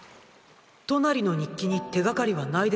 トナリの日記に手がかりはないでしょうか？